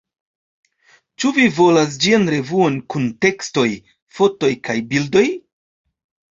Ĉu vi volas ĝian revuon kun tekstoj, fotoj kaj bildoj?